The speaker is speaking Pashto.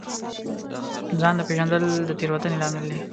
ځان نه پېژندل د تېروتنې لامل دی.